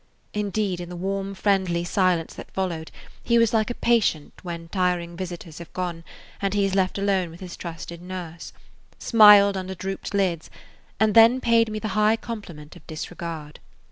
Indeed, in the warm, friendly silence that followed he was like a patient when tiring visitors have gone and he is left alone with his trusted nurse; smiled under drooped lids and then paid me the high compliment of disregard.